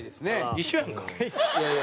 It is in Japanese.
一緒やん。